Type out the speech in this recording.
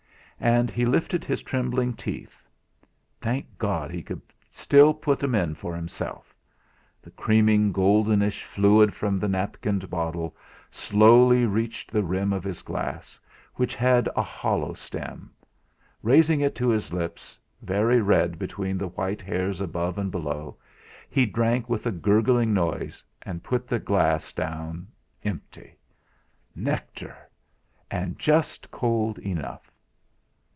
And he lifted his trembling teeth. Thank God, he could still put 'em in for himself! The creaming goldenish fluid from the napkined bottle slowly reached the brim of his glass, which had a hollow stem; raising it to his lips, very red between the white hairs above and below, he drank with a gurgling noise, and put the glass down empty. Nectar! And just cold enough!